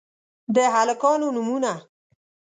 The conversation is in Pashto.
د هلکانو نومونه: